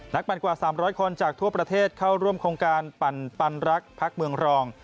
ปั่นกว่า๓๐๐คนจากทั่วประเทศเข้าร่วมโครงการปั่นรักพักเมืองรอง